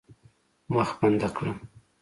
مخ بنده کړه.